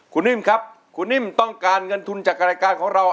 คุณนิ่มครับคุณนิ่มต้องการเงินทุนจากรายการของเรา